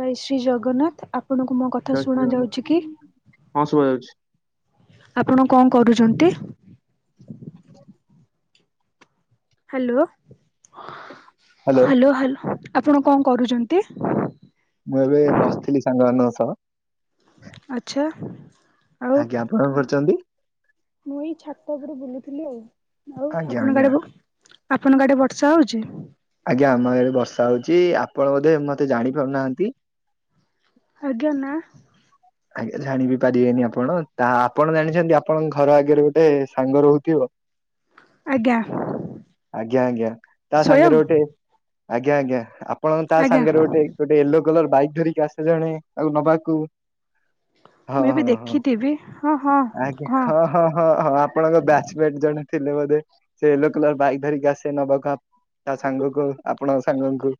ଜୟ ଶ୍ରୀ ଜଗନ୍ନାଥ, ଆପଣଙ୍କୁ ମୋ କଥା ଜୟ ଶ୍ରୀ ଶୁଣା ଜଗନ୍ନାଥ ଯାଉଛି କି? ହଁ ଶୁଭା ଯାଉଛି। ଆପଣ କଣ କରୁଛନ୍ତି? ହାଲୋ ହ୍ୟାଲୋ ହାଲୋ ହାଲୋ ଆପଣ କଣ କରୁଛନ୍ତି? ମୁଁ ଏବେ ବସିଥିଲି ସାଙ୍ଗମାନଙ୍କ ସହ ଆଛା ଆଜ୍ଞା ଆପଣ କଣ କରୁଛନ୍ତି? ମୁଁ ଏଇ ଛାତ ଉପରେ ବୁଲୁଥିଲି ଆଉ, ଆଉ ଆଜ୍ଞା ଆପଣ ଆଜ୍ଞା [unintelligible] ଆପଣଙ୍କ ଆଡେ ବର୍ଷା ହଉଛି? ଆଜ୍ଞା ଆମ ଇଆଡେ ବର୍ଷା ହଉଛି ଆପଣ ବୋଧେ ମତେ ଜାଣି ପାରୁନାହାନ୍ତି? ଆଜ୍ଞା ନା ଆଜ୍ଞା, ଜାଣିି ବି ପାରିବେନି ଆପଣ, ତାହା ଆପଣ ଜାଣିଛନ୍ତି ଆପଣଙ୍କ ଘର ଆଗରେ ଗୋଟେ ସାଙ୍ଗ ରହୁଥିବ? ଆଜ୍ଞା ଆଜ୍ଞା ଆଜ୍ଞା ତା ସ୍ଵୟଂ ସାଙ୍ଗରେ ଗୋଟେ ଆଜ୍ଞା ଆଜ୍ଞା ଆପଣ ତା ଆଜ୍ଞା ସାଙ୍ଗରେ ଗୋଟେ ଗୋଟେ ୟେଲୋ କଲର ବାଇକ୍ ଧରିକି ଆସେ ଜଣେ ଆଉ ନବାକୁ ହଁ ମୁଁ ବି ହଁ ହଁ ଦେଖିଥିବି ହଁ ହଁ ଆ୍ା ହଁ ହଁ ହଁ ହଁ ଆପଣଙ୍କ ବ୍ୟାଚମେଟ ଜଣେ ଥିଲେ ବୋଧେ ସେ ୟେଲୋ କଲର ବାଇକ୍ ଧରିକି ଆସେ ନବାକୁ ତା ସାଙ୍ଗକୁ, ଆପଣଙ୍କ ସାଙ୍ଗଙ୍କୁ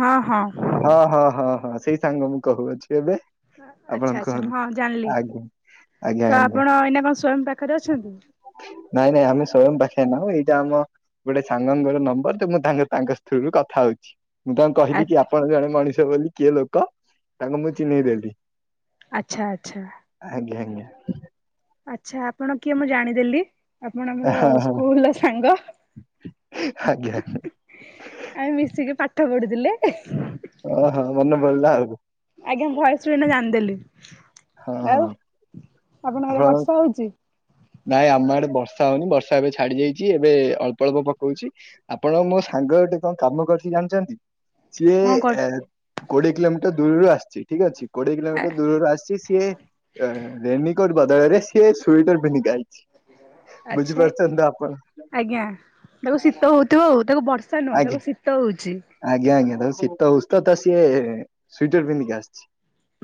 ହଁ ହଁ। ହଁ ଆଚ୍ଛା ହଁ ହଁ ହଁ ସେଇ ସାଙ୍ଗ ମୁଁ କହୁଅଛି। ଏବେ ଆପଣ ଆଚ୍ଛା କୁହନ୍ତୁ? ହଁ ଜାଣିଲି ଆଜ୍ଞା। ଆଜ୍ଞା ତ ଆଜ୍ଞା ଆପଣ ଏଇନା କଣ ସ୍ଵୟଂ ପାଖରେ ଅଛନ୍ତି। ନାଇଁ ନାଇଁମ ସ୍ଵୟଂ ପାଖେ ନାଁ ଏଇଟା ଆମ ଗୋଟେ ସାଙ୍ଗଙ୍କର ନମ୍ବର ତ ମୁଁ ତା ତାଙ୍କ ସ୍ତ୍ରୀରୁ କଥା ହଉଛି। ମୁଁ ତାଙ୍କୁ କହିଲି କି ଆପଣ ଜଣେ ମଣିଷ ବୋଲି କିଏ ଲୋକ? ତାଙ୍କ ମୁଁ ଚିହ୍ନେଇଦେଲି, ଆଚ୍ଛା ଆଜ୍ଞା ଆଜ୍ଞା। ଆଛା, ଆପଣ କିଏ ମୁଁ ଜାଣିଦେଲି, ଆପଣ ଆମର ହଁ ହଁ ସ୍କୁଲ ସାଙ୍ଗ। ଆଜ୍ଞା ଆମେ ମିଶିକି ପାଠ ପଢୁଥିଲେ? ଓହୋ ମନେ ପଡିଲା ଆଉ ଆଜ୍ଞା ଭୟସ ରୁ ଏନା ଜାଣିଦେଲି। ହଁ ହଁ। ଆପଣ ଆଡେ ବର୍ଷା ହଉଛି? ନାଇଁ ଆମ ଆଡେ ବର୍ଷା ହଉନି ବର୍ଷା ଏବେ ଛାଡି ଯାଇଛି ଏବେ ଅଳ୍ପ ଅଳ୍ପ ପକଉଛି ଆପଣ ମୋ ସାଙ୍ଗ ଗୋଠେ କଣ କାମ କରୁଛି ଜାଣିଛନ୍ତି? ସିଏ କଣ କରୁ ଏ କୋଡିଏ କିଲୋମିଟର ଦୂରରୁ ଆସିଛି ଠିକ ଅଛି। କୋଡିଏ କିଲୋମିଟର ଦୂରରୁ ଆସିଛି ସିଏ ରେନିକୋଟ ବଦଳରେ ସିଏ ସୁଟର ପିନ୍ଧି। ଆଚ୍ଛା ବୁଝିପାରୁଛନ୍ତି ତ ଆପ ଆଜ୍ଞା ତାକୁ ଶୀତ ହଉଥିବ ଆଉ ତାକୁ ବର୍ଷା ନୁହଁ ଆଜ୍ଞା ତାକୁ ଶୀତ ହଉଛି। ଆଜ୍ଞା ଆଜ୍ଞା ତ ଶୀତ ହଉଚି ତ ସିଏ ସ୍ଵିଟର ପିନ୍ଧିକି ଆସିଛି।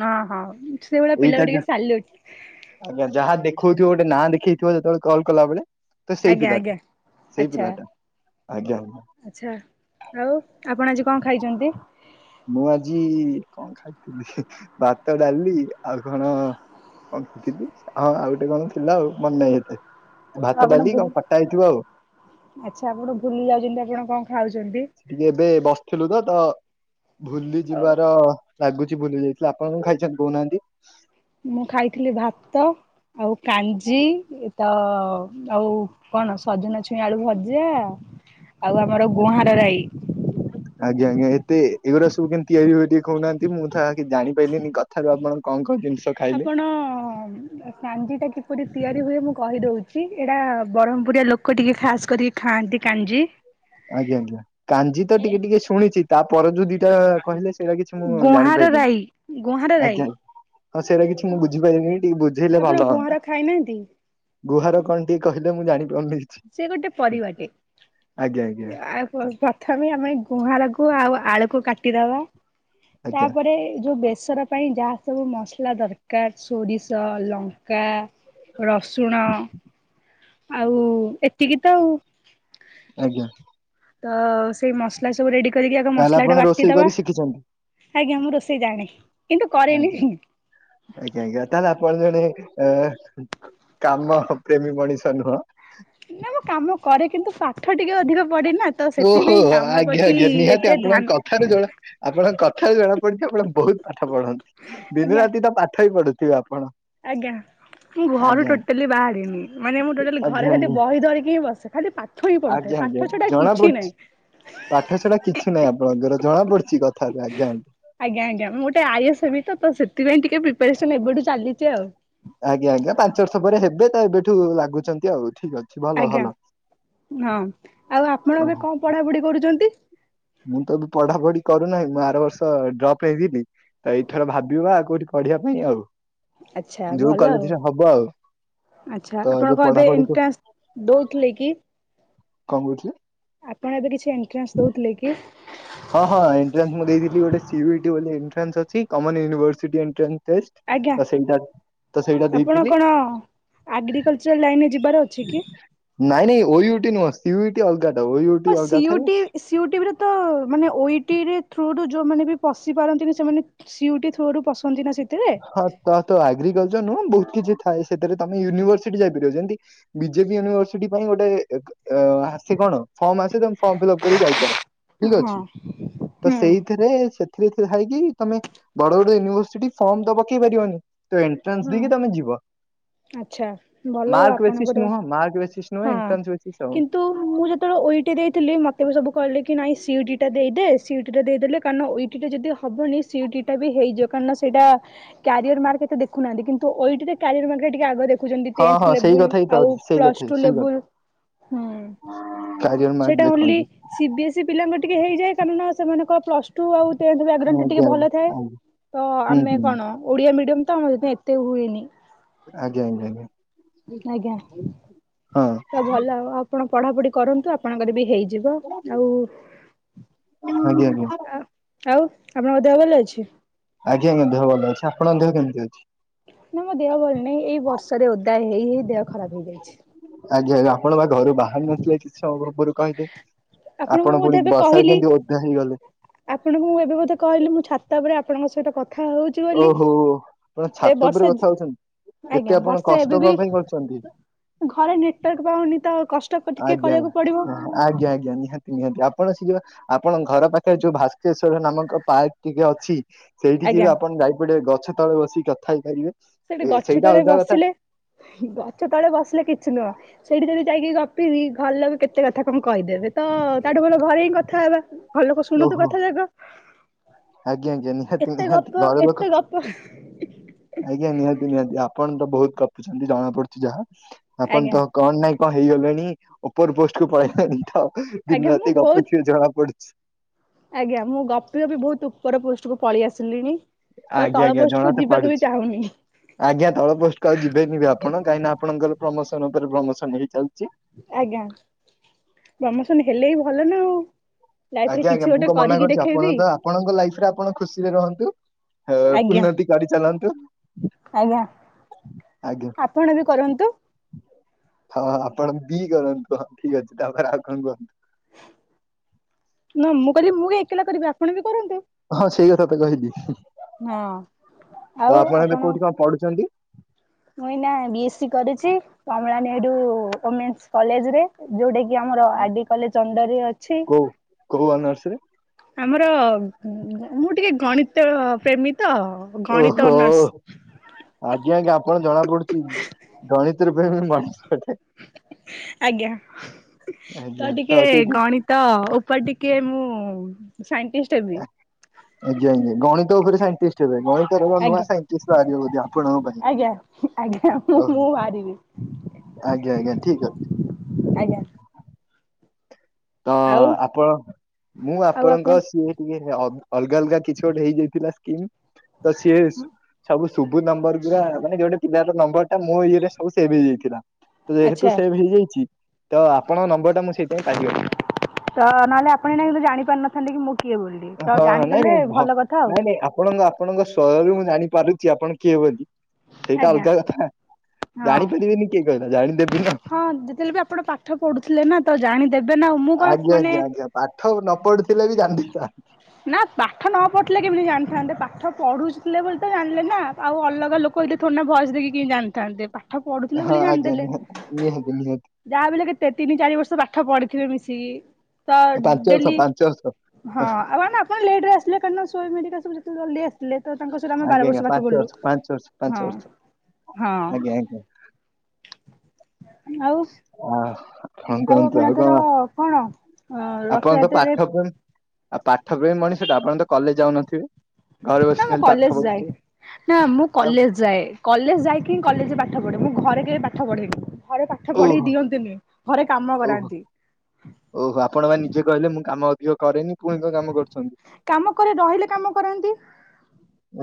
ଅ ହଁ ସେଇଭଳିଆ ଏଇଟା ପିଲାକୁ ଟିକେ ଯା- ସାଲୁ ଆଜ୍ଞା ଯାହା ଦେଖଉଥିବ ଗୋଟେ ନାଁ ଦେଖେଇଥିବ ଯେତେବେଳେ କଲାବେଳେ। ତ ସେଇ ଆଜ୍ଞା ପିଲାଟା ଆଜ୍ଞା। ସେଇ ଆଚ୍ଛା ପିଲାଟା ଆଜ୍ଞା। ଆଚ୍ଛା ଆଉ ଆପଣ ଆଜି କଣ ଖାଇଛନ୍ତି? ମୁଁ ଆଜି କଣ ଖାଇଥିଲି ଭାତ ଡାଲି ଆଉ କଣ କଣଥିଲି ହଁ ଆଉ ଗୋଟେ କଣ ଥିଲା ଆଉ ମନେ ନାହିଁ ଏତେ। ଭାତ ଆପଣ ଡାଲି ଭୁଲ ଆଉ କଟା ହେଇଥିବ ଆଉ। ଆଚ୍ଛା ଆପଣ ଭୁଲି ଯାଉଛନ୍ତି ଆପଣ କଣ ଖାଉଛନ୍ତି? ଟିକେ ଏବେ ବସିଥିଲୁ ତ ଧ ଭୁଲି ଯିବାର ଲାଗୁଛି ଭୁଲି ଯାଇଥିଲେ ଆପଣ କଣ ଖାଇଛନ୍ତି କହୁନାହାନ୍ତି? ମୁଁ ଖାଇଥିଲି ଭାତ ଆଉ କାଞ୍ଜି ଏ ତ ଆଉ କଣ ସଜନା ଛୁଇଁ ଆଳୁ ଭଜା। ଆଉ ଆମର ଆଜ୍ଞା ଗୁଆଁର ରାଇ ଆଜ୍ଞା ଆଜ୍ଞା। ଏଗୁ ସବୁ କିିତିଆରି ହୁଏ ଟିକଏ କହୁନାହାନ୍ତି ମୁଁ ତ ଜାଣି ପାରିଲିନି କଥାରୁ ଆପଣ କଣ କଣ ଜିନିଷ ଖାଇଲେ ଆପଣ ସାଞ୍ଜି ଟା କିପରି ତିଆରି ହୁଏ ମୁଁ କହିଦଉଛି। ଏଇଟା ବ୍ରହ୍ମପୁରିଆ ଲୋକ ଟିକେ ଖାସ କରିକି ଖାଆନ୍ତି କାଞ୍ଜି। ଆଜ୍ଞା ଆଜ୍ଞା କା୍ଜି ତ ଟିକେ ଟିକେ ଶୁଣିଛି ତାପ ଯୋଉ ଦିଟା କହିଲେ ସେଇଟା କିଛି ମୁଁ ଗୁଆଁର ଜାଣିପାରିଲିନି ରାଇ ଗୁଆଁର ରାଇ ଆଜ୍ଞା। ଆଉ ସେଇଟା କିଛି ମୁଁ ବୁଝିପାରିନି ଟିକେ ବୁଝେଇଲେ ଆପଣ ଭଲ ଗୁଆଁର ହୁଅନ୍ତା। ଖାଇନାହାନ୍ତି ଗୁହାର କଣ ଟିକେ କହିଲେ ମୁଁ ଜାଣି ସେ ଗୋଟେ ପରିବାଟେ ଆଜ୍ଞା ଆଜ୍ଞା। ଆଉ ପ୍ରଥମେ ଆମେ ଗୁହାଁଳକୁ ଆଉ ଆଳୁକୁ କାଟିଦବା ଆଜ୍ଞା ତାପରେ ଯୋଉ ବ ମସର ପାଇଁ ଯାହା ସବୁ ମସଲା ଦରକାର ସୋରିଷ ଲଙ୍କା ରସୁଣ ଆଉ ଏତିକି ତ ଆଉ। ଆଜ୍ଞା। ତ ସେଇ ମସଲା ସବୁ ରେଡି କରିକି ଆଗ ତାହେଲେ ମସଲା ଆପଣ ଟା ରୋଷେଇ ବାଟିଦବା। କରି ଶିଖିଛନ୍ତି ଆଜ୍ଞା ମୁଁ ରୋଷେଇ ଜାଣେ କିନ୍ତୁ କରେନି। ଆଜ୍ଞା। ଆଜ୍ଞା ଆଜ୍ଞା ତାହେଲେ ଆପଣ ଜଣେ ଏ କାମ ପ୍ରେମୀ ମଣିଷ ନୁହଁ? ନା ମୁଁ କାମ କରେ କିନ୍ତୁ ପାଠ ଟିକେ ଅଧିକା ଓହୋହୋ ଆଜ୍ଞା ଆଜ୍ଞା ଏତେ ନିହାତି ଧ୍ୟାନ ଆପଣଙ୍କ କଥାରୁ ଜଣା ଆପଣଙ୍କ କଥାରୁ ଜଣା ପଡିଛି ଆପଣଙ୍କ ବହୁତ ପାଠ ପଢନ୍ତି ଦିନ ଆଜ୍ଞା ରାତି ତ ପାଠ ହି ପଢୁଥ ଆପ ଆଜ୍ଞା ମୁଁ ଘରୁ ଟୋଟାଲି ବାହାରିନି ମାନେ ମୁଁ ଟୋଟାଲି ଆଜ୍ଞା ଘରେ ଆଜ୍ଞା ବହି ଧରିକି ହିଁ ବସେ। ଖାଲି ପାଠ ହିଁ ପଢୁଥାଏ ଆଜ୍ଞା ପାଠ ଆଜ୍ଞା ଛଡା ଜଣା କିଛି ପଡୁଛି ନାହିଁ ପାଠଶଢା କିଛି ନାହିଁ ଆପଣଙ୍କର ଜଣା ପଡୁଛି କଥା। ଆଜ୍ଞା ଆଜ୍ଞା ମୁଁ ଗୋଟେ ଆଇସ ତ ସେଥିପାଇଁ ଟିକେ ପ୍ରିପାରେସନ ଏବେଠୁ ଚାଲିଛି ଆଉ। ଆଜ୍ଞା ଆଜ୍ଞା ପାଞ୍ଚ ବର୍ଷ ପରେ ହେବେ ତ ଏବେଠୁ ଲାଗୁଛନ୍ତି ଆଉ। ଠିକ ଅଛି ଭଲ ଆଜ୍ଞା ଭଲ ହଁ ଆଉ ଆପଣ ଓହୋ। ଏବେ କଣ ପଢାପଢି କରୁଛନ୍ତି? ମୁଁ ତ ବି ପଢା ପଢି କରୁନାହିଁ ମୁଁ ଆର ବର୍ଷ ଡ୍ରପ ହେଇଦିନି ତ ଏଇଥର ଭାବିବା ଆଉ କୋଉଠି ପଢିବା ପାଇଁ ଆଉ। ଆଛା ଯୋଉ ଭଲ ଆଉ। କଲେଜରେ ହବ ଆଉ ତ ଆଚ୍ଛା ଆପଣ ଏବେ କହିବେ ପଢାପଢି କ ଏଣ୍ଟ୍ରାନ୍ସ ଦଉଥିଲେ କି? କଣ କହୁଥିଲେ? ଆପଣ ଏବେ କିଛି ଏଣ୍ଟ୍ରାନ୍ସ ଦଉଥିଲେ କି? ହଁ ହଁ ଏଣ୍ଟ୍ରାନ୍ସ ମୁଁ ଦେଇଥିଲି ଗୋଟେ ସିୟୁଟି ବୋଲି ଏଣ୍ଟ୍ରାନ୍ସ ଅଛି। କମନ ୟୁନିଭର୍ସିଟି ଏଣ୍ଟ୍ରାନ୍ସ ଆଜ୍ଞା ତ ସେଇଟା ତ ସେଇଟା ଆପଣ ଦେଇଥିଲି। କଣ ଆଗ୍ରିକଲଚର ଲାଇନରେ ଯିବାର ଅଛି କି? ଓୟୁଟିୁ ନୁହଁ ସିୟୁଟି ଅଲ୍ ହଁ ସି ସିୟୁଟିବରେ ତ ମାନେ ଓଇଟି ରେ ଥ୍ରୁ ରୁ ଯୋଉମାନେ ବି ପଶି ପାରନ୍ତିନି ସେମାନେ ସିୟୁଟି ଥ୍ରୁ ରୁ ପଶନ୍ତି ନା ସେମ ହଁ ତ ତ ଏଗ୍ରିକଲଚର ନୁ ବହୁତ କିଛି ଥାଏ ସେଥିରେ ତମେ ୟୁନିଭର୍ସିଟି ଯାଇପାରିବ ଯେମତି ବିଜେପି ୟୁନିର୍ସିଟି ପାଇଁ ଗୋଟେ ଆସି କଣ ଫମ ଆସେ ତ ଫର୍ମ ଫିଲପ୍ କରି ଯାଇପାର ଠିକ ହଁ। ଅଛି ତ ହୁଁ ସେଇଥିରେ ସେତ୍ ରେରେ ହୋଇକି ତମେ ବଡ ବଡ ୟୁନିଭର୍ସିଟି ଫର୍ମ ତ ପକେଇ ପାରିବନି। ତ ଏଣ୍ଟ୍ରାନ୍ସ ହଁ ଦେଇକି ତମେ ଯିବ। ଆଚ୍ଛା ଭଲ ଆଉ ମାର୍କ ବେସିସ୍ ଆପଣଙ୍କର ନୁହଁ ମାର୍କ ବେସିସ୍ ନୁହଁ ହଁ ଏଣ୍ଟ୍ରାନ୍ସ ବେସିସ୍ ଆଉ। କିନ୍ତୁ ମୁଁ ଯେତେବେଳେ ଓଇଠି ଦେଇଥିଲି ମତେ ପଚାରେ ସବୁ କହିଲେ କି ନାଇ ସିୟୁଟି ଟା ଦେଇଦେ ସିୟୁଟି ଦେଇଦେଲେ କାରଣ ଓଇଟି ଟା ଯଦି ହବନି ସିୟୁ ବି ହେଇ ଯଉ କାରଣ ସେଇଟା କାରିର ମାର୍କ ଏତେଖୁନାହାନ୍ତି କିନ୍ତୁ ଇଠ କାରିୟର ମାର୍କଟରେ ଟିକେ ଆଗ ଛନ୍ତି ହଁ ଟେନ୍ଥ ହଁ ସେଇ ଲେବୁଲ କଥା ହିଁ ତ ଆଉ ଅଛି ସେଇ ପ୍ଲସ୍ କଥା ହିଁ ଟୁ ସେଇ କଥା ଲେବୁଲ ହୁଁ। କ୍ୟାରିୟର ମାର୍କ ସେଇଟା ଓନ୍ଲି ଦେଖନ୍ତି। ସିବି ଏସ୍ଇ ପିଲାଙ୍କ ଟିକେ ହେଇଯାଏ କାରଣ ନା ସେମାନଙ୍କ ପ୍ଲସ ଟୁ ଆଉ ଟେନ୍ଥ ବ୍ୟାକଗ୍ରାଉଣ୍ଡ ଟିକେ ଆଜ୍ଞା ଆଜ୍ଞା ଭଲ ଥାଏ ଆଜ୍ଞା ତ ହୁଁ ଆମେ ହୁଁ କଣ ଓଡିଆ ମିଡିୟମ ତ ମ ତ ଏତେ ହୁଏନି। ଆଜ୍ଞା, ଆଞା, ଆଜ୍ଞା। ଆଜ୍ଞା। ହଁ ତ ଭଲ ଆ ଆପଣ ପଢାପଢି କରନ୍ତୁ ଆପଣଙ୍କର ବି ହେଇଯିବ ଆଉ [inaudible] ଆ [unintelligible] ଆଉ ଆପଣଙ୍କ ଦେହ ଭଲ ଅଛି? ଆଜ୍ଞା ଦେ ଭଲ ଅଛି ଆପଣଙ୍କ ଦେହ କେମିତି ଅଛି? ନା ମୋ ଦେହ ଭଲ ନାହିଁ ଏଇ ବର୍ଷାରେ ଓଦା ହେଇ ହେଇ ଦେହ ଖରାପ ହେଇଯାଇଛି। ଆପଣ ବା ଘରୁ ବାହାରାରୁ ନଥିଲେ କିଛି ସମୟ ପର୍ବରୁ କହିଲେ। ଆପଣଙ୍କୁ ମୁଁ ଆପଣ ବୋଧେ ପୁଣି ଏବେ ବର୍ଷା କହିଲି କେମିତି ଓଦା ହେଇଗଲେ? ଆପଣଙ୍କୁ ମୁଁ ଏବେ ବୋଧେ କହିଲି ମୁଁ ଛାତା ଉପରେ ଆପଣଙ୍କ ସହିତ କଥା ଖା ହଉଛି ବୋଲି ଓହୋ ଆପଣ ଏ ଛାତ ଉପରେ ବର୍ଷା କଥା ହଉଛନ୍ତି। ଏତେ ଆଜ୍ଞା ଆପଣ ବର୍ଷେ କଷ୍ଟ ଏବେ ବି କଣ ପାଇଁ କରୁଛନ୍ତି ଘରେ ନେଟୱାର୍କ ପାଉନି ତ କଷ୍ଟ ଟିକେ ଆଜ୍ଞା, କରିବାକୁ ପଡିବ ଆଜ୍ଞା, ଆଜ୍ଞା! ନିହାତି, ନିହାତି ଆପ୍ ଆପଣ ସି ଯିବା ଆପଣ ଘର ପାଖରେ ଯୋଉ ଭାସ୍କେଶ୍ଵର ନାମକ ପାର୍କ ଟିକେ ଅଛି ସେଇଠିକି ଆଜ୍ଞା। ବି ଆପଣ ଯାଇପଡେ ଗଛ ତଳେ ବସିକି କଥା ହେଇପାରିବେ। ସେଠି ଏ ଗଛ ସେଇଟା ତଳେ ଅଲଗା କଥା ବସିଲେ ଗଛ ତଳେ ବସିଲେ କିଛି ନୁହଁ ସେଇଠି ଯଦି ଯାଇକି ଗପିବି ଘର ଲୋକ କେତେ କଥା କଣ କହିଦେବେ ତ ତାଠୁ ଭଲ ଘରେ ହିଁ କଥା ହେବା। ଘରଲୋକ ଶୁଣନ୍ତୁ ଓହୋ କଥା ଯାକ। ଆଜ୍ଞା ଆଜ୍ଞା ନିହାତି ଏତେ ନିହାତି ଗପ ଘର ଲୋକ ଏତେ ଗପ ଆଜ୍ଞା ନିହାତି ନିହାନ୍ତି ଆପଣ ତ ବହୁତ କପୁଛନ୍ତି ଜଣା ପଡୁଛି ଯାହା ଆପଣ ଆଜ୍ଞା। ତ କଣ ନାଇଁ କଣ ହେଇଗଲାଣି ଉପର ପୋଷ୍ଟ କ ପଳେଇଲାନି ତ ଆଜ୍ଞା ଦିନ ମୁଁ ରାତି ବହୁତ ଗପୁଥିବେ ଜଣା ପଡୁଛି। ଆଜ୍ଞା ମୁଁ ଗପି ଗପି ବହୁତ ଉପର ପୋଷ୍ଟ କୁ ପଳେଇ ଆସିଲିଣି। ତ ଆଜ୍ଞା ତଳ ଆଜ୍ଞା ପୋଷ୍ଟ ଜଣା କୁ ତ ଯିବାକୁ ବି ପାଡୁଛି ଚାହୁଁନି। ଆଜ୍ଞା ଧଳ ପୋଷ୍ଟ କୁ ଆଉ ଯିବେନି ବି ଆପଣ କାହିଁକି ନା ଆପଣଙ୍କର ପ୍ରମୋସନ ଉପରେ ପ୍ରମୋସନ ହେଇ ଚାଲିଛି। ଆଜ୍ଞା ପ୍ରମୋସନ ହେଲେ ବି ଭଲ ନା ଆଉ। ଲାଇଫରେ ଆଜ୍ଞା କିଛି ଆଜ୍ଞା ମୁଁ ଗୋଟେ କଣ ମନା କରିକି କରୁଛି ଆପଣ ଦେଖେଇବି ତ ଆପଣଙ୍କ ଲାଇଫ ରେ ଆପଣ ଖୁସିରେ ରୁହନ୍ତୁ ଆଜ୍ଞା ଏ-ଉନ୍ନତି କରି ଚାଲନ୍ତୁ। ଆଜ୍ଞା। ଆପଣ ବି କରନ୍ତୁ। ହଁ ଆପଣ ବି କରନ୍ତୁ ହଁ ଠିକ ଅଛି ତାପରେ ଆଉ କଣ କୁହନ୍ତୁ? ନ ମୁଁ କଇଲି ମୁଁ କାଇଁ ଏକଲା କରିବି ଆପଣ ବି କରନ୍ତୁ ହଁ ସେଇ କଥା ତ କହିଲି, ହଁ ଆଉ ଆପଣ ଏବେ କୋଉଠି କଣ ପଢୁଛନ୍ତି? ମୁଇଁ ନା ବି ଏସ୍ ସି କରିଛି କମଳାନେଡୁ ଓମେନ୍ସ କଲେଜରେ ଯୋଉଟା କି ଆମର ଆଡି କଲେ ଅଣ୍ଡରେ ଅଛି। କୋଉ କୋଉ ଅନର୍ସ ରେ? ଆମର ମୁଁ ଟିକେ ଗଣିତ ପ୍ରେମୀ। ତ ଗଣିତ ଓହୋ ଅନର୍ସ ଆଜ୍ଞା ଆଜ୍ଞା ଆପଣ ଜଣା ପଡୁଛି ଗଣିତରେ। [unintelligible] [inaudible] ଆଜ୍ଞା ତ ଆଜ୍ଞା ଟିକେ ସେଇଠି ଗଣିତ ଉପରେ ଟିକେ ମୁଁ ଉଁ ସାଇ ଆଜ୍ଞା ଆଜ୍ଞା ଗଣିତ ଉପରେ ସାଇନଟିଷ୍ଟ ହେବେ? ମଣଟର ଏ ନୂଆ ଆଜ୍ଞା ସାଇନଟିଷ୍ଟ ବାହାରିବେ ବୋଧେ ଆପଣଙ୍କ ପାଇଁ। ଆଜ୍ଞା ଆଜ୍ଞା ମୁଁ ମୁଁ ବାହାରିବି ଓହୋ ଆଜ୍ଞା ଆଜ୍ଞା ଠିକ ଅଛି। ଆଜ୍ଞା। ତ ଆଉ ଆପଣ ମୁଁ ଆଉ ଆପଣଙ୍କ ଆପଣ ସିଏ ଟିକେ ଅ ଅଲଗା ଅଲଗା କିଛି ଗୋଟେ ହେଇଯାଇଥିଲା ସ୍କିମ ତ ସିଏ ସବୁ ଶୁବୁ ନମ୍ବର ଗୁରା ମାନେ ଯୋଉଟା ପିଲାର ନମ୍ବର ଟା ମୋ ଇଏରେ ସବୁ ସେଭ ହେଇଯାଇଥିଲା। ତ ଯେହେତୁ ଆଚ୍ଛା ସେଭ ହେଇଯାଇଛି ତ ଆପଣଙ୍କ ନମ୍ବର ଟା ମୁଁ ସେଇଥିପାଇଁ ପାହିଗ ତ ନହେଲେ ଆପଣ ଏଇନା କିନ୍ତୁ ଜାଣି ପାରିନଥାନ୍ତେ କି ମୁ ହଁ ନାଇଁ ନାଇଁ ଭ ଆଉ ନାଇଁ ନାଇଁ ଆପଣଙ୍କ ଆପଣଙ୍କ ସ୍ୱରରୁ ମୁଁ ଜାଣିପାରୁଛି ଆପଣ କିଏ ବୋଲି? ସେଇଟା ଆଜ୍ଞା ଅଲଗା କଥା ହଁ ଜାଣିପାରିବିନି କିଏ କହିଲା ଜାଣିଦେବେ। ହଁ ଯେତେବେଳେ ବି ଆପଣ ପାଠ ପଢୁଥିଲେ ନା ତ ଜାଣି ଆଜ୍ଞା ଆଜ୍ଞା ଆଜ୍ଞା ପାଠ ନ ପଢୁଥିଲେ ବି ଜାଣି ଦେଇଥାନ୍ତି। ନା ପାଠ ନ ପଢିଲେ କେମିତି ଜାଣିଥାନ୍ତେ ପାଠ ପାଠ ପଢ଼ୁଥିଲେ ବୋଲି ତ ଜାଣିଲେ ନା ଆଉ ଅଲଗା ଲୋକ ହେଇଥିଲେ ଥୋଡ଼ିନା ଭଏସ ଦେଖିକି କେମିତି ଜାଣିଥାନ୍ତେ? ପାଠ ପଢୁଥିଲେ ହଁ ବୋଲି ଆଜ୍ଞା ଜାଣିଦେଲେ। ନିହାତି ନିହାତି ନିହାତି। ମାନେ କେତେ ତିନି ଚାରି ବର୍ଷ ପାଠ ପଢିଥିବେ ମିଶିକି। ତ ପାଞ୍ଚ ବର୍ଷ ଡେଲି ପାଞ୍ଚ ବର୍ଷ ହଁ ଆଉ ଅନା ଆପଣ ଲେଟରେ ଆସିଲେ କାଇନା। [unintelligible] ଜଲଦି ଆସିଲେ ତ ତାଙ୍କ ସହିତ ଆମେ ଆଜ୍ଞା ବାର ଆଜ୍ଞା ବର୍ଷ ପାଠ ପାଞ୍ଚ ପଢିଲୁ ପାଞ୍ଚ ବର୍ଷ ପାଞ୍ଚ ହଁ। ବର୍ଷ। ହଁ ଆଜ୍ଞା ଆଜ୍ଞା। ଆଉ ହଁ। ହଁ କୁହନ୍ତୁ ଆପଣ ଆଉ ଏଥର କଣ? କଣ ଅ ଆପଣଙ୍କ ରଥଯାତ୍ରାରେ ପାଠ ପ ଆଉ ପାଠପ୍ରେମି ମଣିଷଟା ଆପଣ ତ କଲେଜ ଯାଉନଥିବେ? ଘରେ ନା ବସିକି ମୁଁ ଖାଲି ପାଠ କଲେଜ ଯାଏ, ପଢୁଥିବେ ନା ମୁଁ ଆଉ କଲେଜ ଯାଏ, କଲେଜ ଯାଇ କି କଲେଜରେ ପାଠ ପଢେ ମୁଁ ଘରେ କେବେ ପାଠ ପଢ଼େନି। ଘରେ ପାଠ ପଢେଇ ଓହୋ ଦିଅନ୍ତିନି ଘରେ କାମ ଓହୋ କରାନ୍ତି। ଓହୋ ଆପଣ ବା ନିଜେ କହିଲେ ମୁଁ କାମ ଅଧିକ କରେନି ପୁଣି କଣ କାମ କରୁଛନ୍ତି। କାମ କରେ ରହିଲେ କାମ କରାନ୍ତି।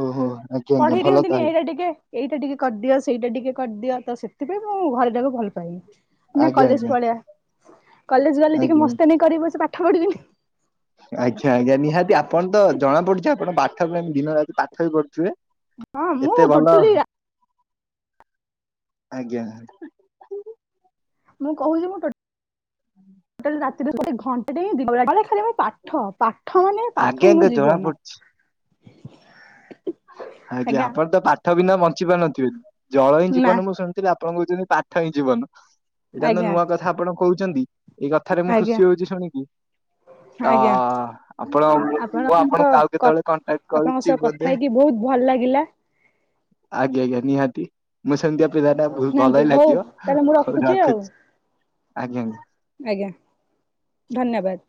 ଓହୋ ଆଜ୍ଞା ଆଜ୍ଞା ପଢେଇ ଭଲ ଦିଅନ୍ତିନି ତାହେଲେ ଏଇଟା ଟିକେ ଏଇଟା ଟିକେ କରିଦିଅ ସେଇଟା ଟିକେ କରିଦିଅ। ତ ସେଥିପାଇଁ ମୁଁ ଘରେଟାକୁ ଭଲ ପାଇନି ନା ଆଜ୍ଞା କଲେଜ ଆଜ୍ଞା। ପଳେଇଆ। କଲେଜ ଗଲେ ଟିକେ ଆଜ୍ଞା ମସ୍ତାନୀ କରିବ ସେ ପାଠ ପଢ଼ିବିନି। ଆଜ୍ଞା ଆଜ୍ଞା ନିହାତି ଆପଣ ତ ଜଣା ପଡୁଛି ଆପଣ ପାଠ ଦିନ ରାତି ପାଠ ବି ପଢୁଥିବେ? ହଁ ମୁଁ ଏତେ ଭଲ ଟୋଟାଲି ଆ ଆଜ୍ଞା। ମୁଁ କହୁନି ମୁଁ ଟୋ ଟାଲି ରାତୀ ରେ ଘଟେଣ୍ଟେ ହିଁ ଦିନ ବେଳା ଟା ଖାଲି ମୁ ପାଠ ପାଠ ମାନେ ଆଜ୍ଞା ପାଠ ହିଁ ମୋ ଆଜ୍ଞା ଜଣା ଜୀବନ। ପଡୁଛି ଆଜ୍ଞା ଆପଣ ତ ପାଠ ବିନା ବଞ୍ଚି ପାରୁନଥିବେ। ଜଳ ହିଁ ନା ଜୀବନ ମୁଁ ଶୁଣିଥିଲି ଆପ ଆପଣ କହୁଛନ୍ତି ପାଠ ହିଁ ଜୀବନ। ଏଇଟା ତ ଆଜ୍ଞା ନୂଆ କଥା ଆପଣ କହୁଛନ୍ତି। ଏଇ କଥାରେ ମୁଁ ଆଜ୍ଞା ଖୁସି ହଉଛି ଶୁଣିକି ତ ଆଜ୍ଞା ଆପଣ ଆପଣ ମୁଁ ତ ଆପଣଙ୍କୁ ଆଉ କ କେତେବେଳେ କଣ୍ଟାକ୍ଟ ଆପଣଙ୍କ କରୁଛି ସହ କଥା ବୋଧେ ହେଇକି ବହୁତ ଭଲ ଲାଗିଲା ଆଜ୍ଞା ଆଜ୍ଞା ନିହାତି ମୁଁ ସେମତି ଆପ ସୁବିଧା ଟା ବହୁତ ଭଲ ନାହାନ୍ତି ହିଁ ହଉ ଲାଗିବ। ତାହେଲେ ମୁଁ ହୋଉ ଆଉ ରଖୁଛି ଆଜ୍ଞା ଆଜ୍ଞା। ଆଜ୍ଞା ଧନ୍ୟବାଦ।